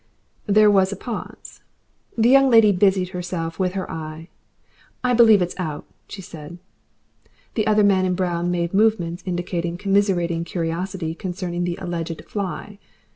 There was a pause. The young lady busied herself with her eye. "I believe it's out," she said. The other man in brown made movements indicating commiserating curiosity concerning the alleged fly.